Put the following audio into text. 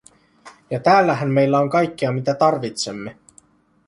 Ja täällähän meillä on kaikkea mitä tarvitsemme.